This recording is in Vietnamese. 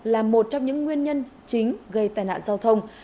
là một trong những nguyên nhân chính gây tai nạn giao thông